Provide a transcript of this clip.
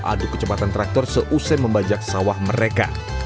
adu kecepatan traktor seusai membajak sawah mereka